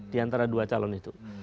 di antara dua calon itu